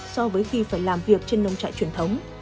so với khi phải làm việc trên nông trại truyền thống